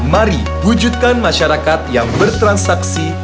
mari wujudkan masyarakat yang bertransaksi